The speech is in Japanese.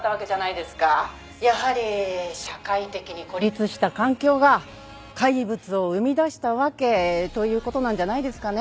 「やはり社会的に孤立した環境が怪物を生み出したわけという事なんじゃないですかね」